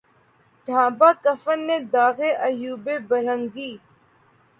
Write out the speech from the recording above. ڈھانپا کفن نے داغِ عیوبِ برہنگی